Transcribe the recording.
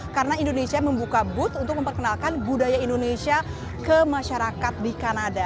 karena indonesia membuka booth untuk memperkenalkan budaya indonesia ke masyarakat di kanada